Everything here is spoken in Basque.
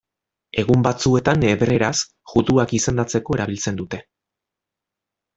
Egun batzuetan hebreeraz juduak izendatzeko erabiltzen dute.